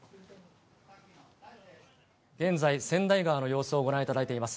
現在、川内川の様子をご覧いただいています。